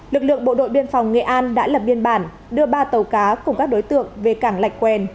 lực lượng bộ đội biên phòng nghệ an đã lập biên bản đưa ba tàu cá cùng các đối tượng về cảng lạch quen